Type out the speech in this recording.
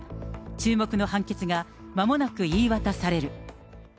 注目の判決がまもなく言い渡される。